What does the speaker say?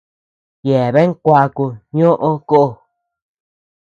Yeabean kuaku ñoʼo kó.